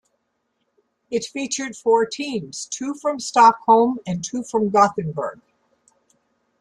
It featured four teams, two from Stockholm and two from Gothenburg.